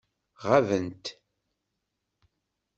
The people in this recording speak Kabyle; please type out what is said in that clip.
Ɣabent.